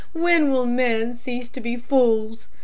when will men cease to be fools?